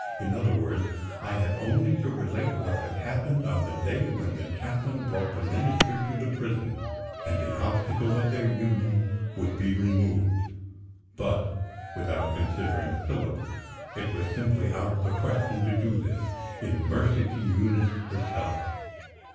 In other words, I had only to relate what had happened on the day when the Chaplain brought the Minister to the prison, and the obstacle of their union would be removed. But, without considering Philip, it was simply out of the question to do this, in mercy to Eunice herself.